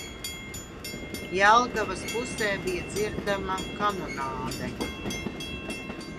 Jelgavas pus? bija dzirdama kanon?de.